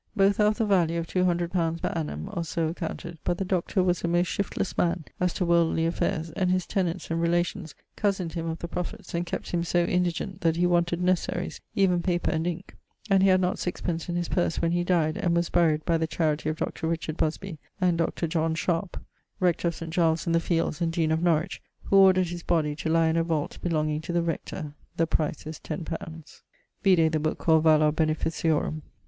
Both are of the value of two hundred pounds per annum (or so accounted); but the Doctor was a most shiftless man as to worldly affaires, and his tenants and relations cousin'd him of the profits and kept him so indigent that he wanted necessarys, even paper and inke, and he had not 6_d._ in his purse when he dyed, and was buried by the charity of Dr. Richard Busby and Dr. Sharp, Rector of St. Giles in the fields and Dean of Norwich, who ordered his body to lye in a vault belonging to the Rector (the price is x li.). [XLIX.] Vide the booke called Valor Beneficiorum.